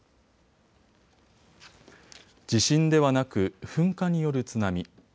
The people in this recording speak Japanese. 地震ではなく噴火による津波。